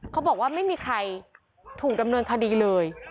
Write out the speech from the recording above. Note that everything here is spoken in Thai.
เขาบอกว่าไม่มีใครถูกดำเนินคดีเลย